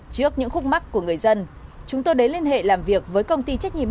trước những khúc mắt của người dân chúng tôi đến liên hệ làm việc với công ty trách nhiệm